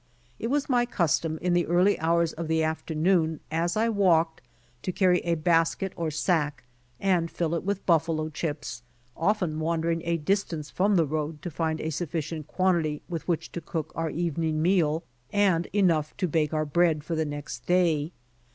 It was my custom in the early hours of the afternoon as I walked, to carry a basket or sack, and fill it with buffalo chips, often wandering a dis tance from the road to find a sufficient quantity with which to cook our evening meal and enough to bake our bread for the next day.